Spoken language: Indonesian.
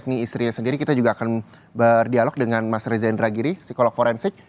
ya ini saya akan cek nih istrinya sendiri kita juga akan berdialog dengan mas reza indragiri psikolog forensik